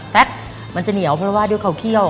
แป๊กมันจะเหนียวเพราะว่าด้วยเขาเคี่ยว